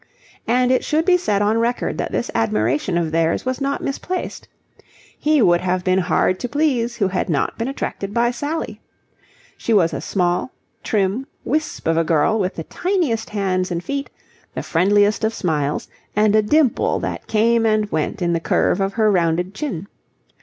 And it should be set on record that this admiration of theirs was not misplaced. He would have been hard to please who had not been attracted by Sally. She was a small, trim, wisp of a girl with the tiniest hands and feet, the friendliest of smiles, and a dimple that came and went in the curve of her rounded chin.